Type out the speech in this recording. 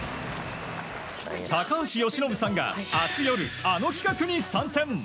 高橋由伸さんが明日夜あの企画に参戦。